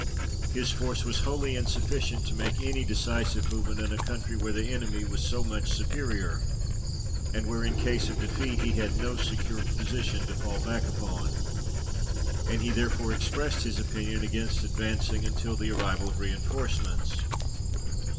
His force was wholly insufficient to make any decisive movement in a country where the enemy was so much superior, and where, in case of defeat, he had no secure position to fall back upon; and he therefore expressed his opinion against advancing until the arrival of reinforcements.